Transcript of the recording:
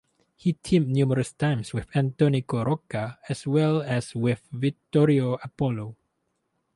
He teamed numerous times with Antonino Rocca, as well as with Vittorio Apollo.